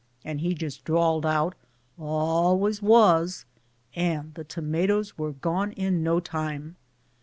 And he just drawled out, 'Always was,'' and the tomatoes were gone in no time."